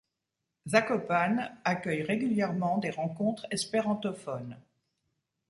Zakopane accueille régulièrement des rencontres espérantophones.